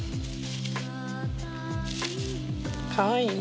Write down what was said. かわいいね。